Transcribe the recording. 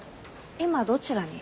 今どちらに？